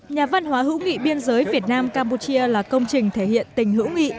nhà văn hóa hữu nghị biên giới việt nam campuchia là công trình thể hiện tình hữu nghị